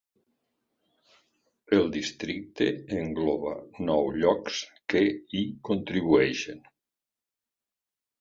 El districte engloba nou llocs que hi contribueixen.